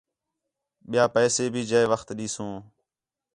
ٻِیا پیسے بھی جئے وخت ݙیسوں